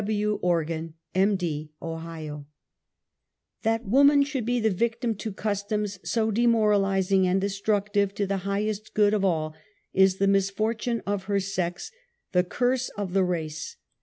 W. Organ, M. D., Ohio. That woman should be the victim to customs so demoralizing and destructive to the highest good of all is the misfortune of her sex, the curse of the race.